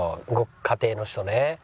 家庭の人ね。